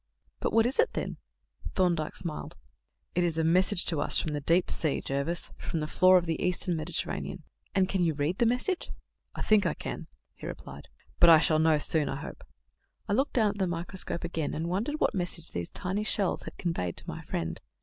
"But what is it, then?" Thorndyke smiled. "It is a message to us from the deep sea, Jervis; from the floor of the Eastern Mediterranean." "And can you read the message?" "I think I can," he replied, "but I shall know soon, I hope." I looked down the microscope again, and wondered what message these tiny shells had conveyed to my friend.